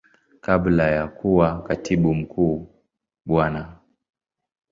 Kabla ya kuwa Katibu Mkuu Bwana.